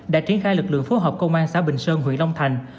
đã triển khai lực lượng phối hợp công an xã bình sơn huyện long thành